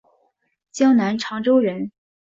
江南长洲人。